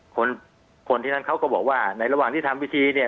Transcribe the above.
คนที่นั้นเขาก็บอกว่าในระหว่างที่ทำพิธีเนี่ย